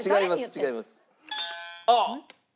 違います！